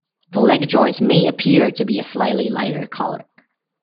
The leg joints may appear to be a slightly lighter color.